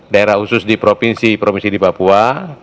daerah khusus di provinsi provinsi di papua